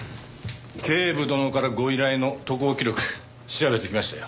警部殿からご依頼の渡航記録調べてきましたよ。